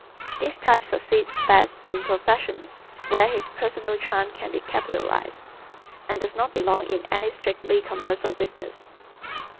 This type succeeds best in professions where his personal charm can be capitalized, and does not belong in any strictly commercial business.